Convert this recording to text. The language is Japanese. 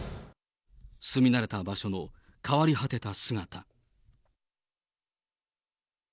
住み慣れた場所の変わり果てた姿。